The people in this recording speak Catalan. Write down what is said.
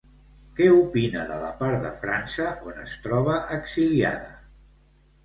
Què opina de la part de França on es troba exiliada?